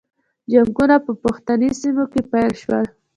جنګونه په پښتني سیمو کې پیل شول.